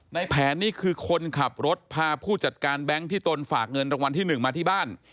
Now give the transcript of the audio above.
ในแผนนี่คือคนขับรถพาผู้จัดการแบงค์ที่ตนฝากเงินรางวัลที่๑มาที่บ้าน